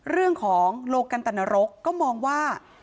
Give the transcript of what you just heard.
เรื่องของโลกันตนรกก็มองว่า